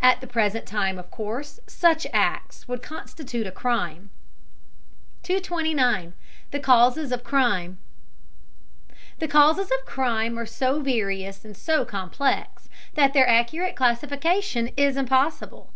At the present time, of course, such acts would constitute a crime. 229. THE CAUSES OF CRIME. The causes of crime are so various and so complex that their accurate classification is impossible.